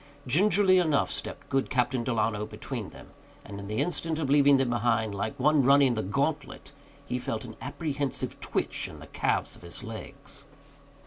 Gingerly enough stepped good Captain Delano between them, and in the instant of leaving them behind, like one running the gauntlet, he felt an apprehensive twitch in the calves of his legs.